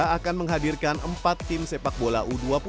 akan menghadirkan empat tim sepak bola u dua puluh